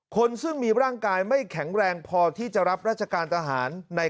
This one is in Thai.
คนซึ่งมีร่างกายไม่แข็งแรงพอที่จะรับราชการทหาร